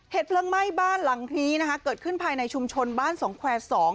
เพลิงไหม้บ้านหลังนี้นะคะเกิดขึ้นภายในชุมชนบ้านสองแควร์สอง